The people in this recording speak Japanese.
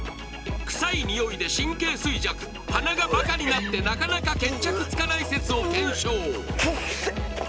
臭いにおいで神経衰弱鼻がバカになってなかなか決着つかない説を検証くっせ！